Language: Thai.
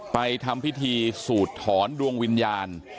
ทำพิธีสูดถอนดวงวิญญาณ